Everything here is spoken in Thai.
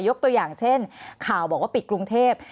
ยกตัวอย่างเช่นข่าวบอกว่าปิดกรุงเทพ